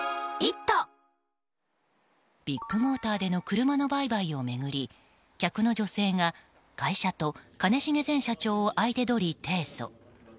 ビッグモーターでの車の売買を巡り客の女性が会社と兼重前社長を相手取り提訴。